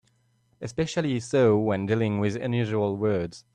Especially so when dealing with unusual words.